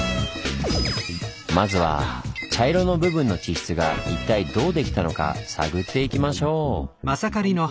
まずは茶色の部分の地質が一体どう出来たのか探っていきましょう！